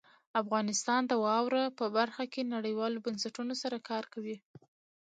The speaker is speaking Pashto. افغانستان د واوره په برخه کې نړیوالو بنسټونو سره کار کوي.